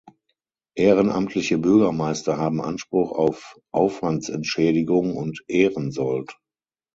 Ehrenamtliche Bürgermeister haben Anspruch auf Aufwandsentschädigung und Ehrensold.